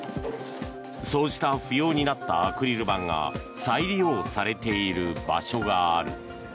そうした不要になったアクリル板が再利用されている場所がある。